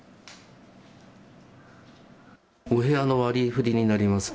お部屋の割りふりになります。